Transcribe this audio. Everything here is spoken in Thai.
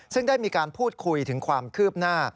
ซึ่งได้มีการพูดคุยถึงความคืบหน้า